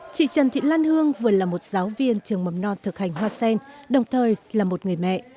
chị trần thị lan hương vừa là một giáo viên trường mầm non thực hành hoa sen đồng thời là một người mẹ